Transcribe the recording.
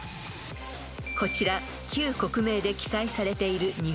［こちら旧国名で記載されている日本地図］